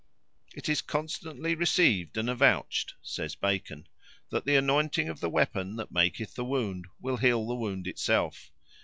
"It is constantly received and avouched," says Bacon, "that the anointing of the weapon that maketh the wound will heal the wound itself.